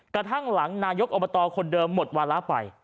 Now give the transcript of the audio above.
กระทั่งหลังนายกอบตคนเดิมหมดวาระไป